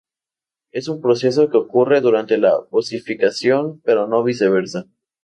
Es un proceso que ocurre durante la osificación, pero no viceversa.